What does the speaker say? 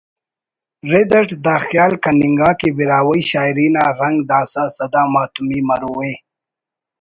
رد it the خیال کننگا کہ براہوئی شاعری نا رنگ داسہ سدا ماتمی مرو ءِ